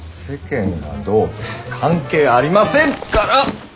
世間がどうとか関係ありませんから！